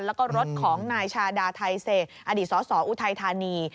แล้วก็รถของนายชาดาไทเศษอดีตสออุทัยธานี